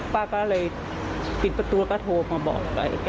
ป้าก็เลยปิดประตูแล้วก็โทรมาบอกไป